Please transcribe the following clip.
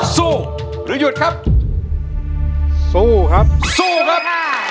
สู้หรือหยุดครับสู้ครับสู้ครับ